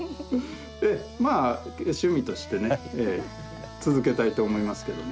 ええまあ趣味としてねええ続けたいと思いますけどね。